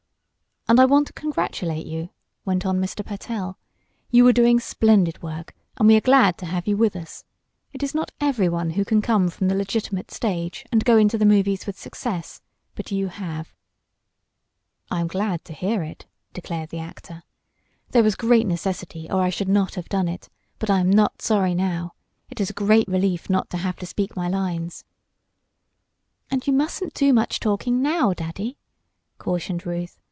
"And I want to congratulate you," went on Mr. Pertell. "You are doing splendid work, and we are glad to have you with us. It is not everyone who can come from the legitimate stage and go into the movies with success; but you have." "I am glad to hear it," declared the actor. "There was great necessity, or I should not have done it; but I am not sorry now. It is a great relief not to have to speak my lines." "And you mustn't do much talking now, Daddy," cautioned Ruth.